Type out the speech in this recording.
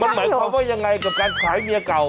มันหมายความว่ายังไงกับการขายเมียเก่า